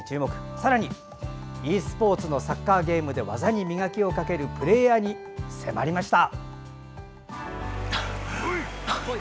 さらにｅスポーツのサッカーゲームで技に磨きをかけるプレーヤーに迫りました。